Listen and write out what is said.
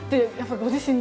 ご自身で。